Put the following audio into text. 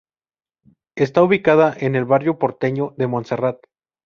Está ubicada en el barrio porteño de Montserrat.